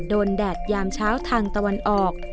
แดดยามเช้าทางตะวันออก